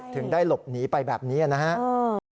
ถึงได้หลบหนีไปแบบนี้นะครับ